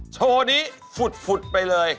โชว์นี้ฝุดไปเลย